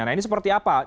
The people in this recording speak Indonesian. nah ini seperti apa